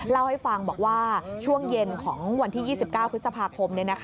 เล่าให้ฟังบอกว่าช่วงเย็นของวันที่๒๙พฤษภาคม